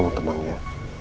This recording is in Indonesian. kamu tenang ya